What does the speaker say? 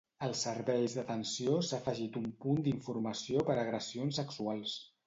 Als serveis d'atenció s'ha afegit un punt d'informació per agressions sexuals.